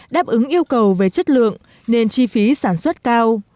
đáp ứng yêu cầu về chất lượng nên chi phí sản xuất cao